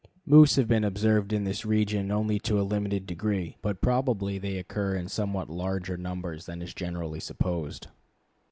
Moose have been observed in this region only to a limited degree, but probably they occur in somewhat larger numbers than is generally supposed.